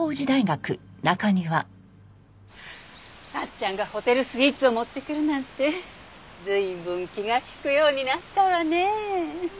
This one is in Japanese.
サッちゃんがホテルスイーツを持ってくるなんて随分気が利くようになったわねえ。